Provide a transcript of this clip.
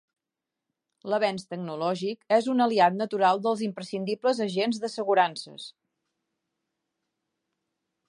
L'avenç tecnològic és un aliat natural dels imprescindibles agents d'assegurances.